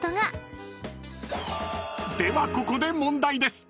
［ではここで問題です。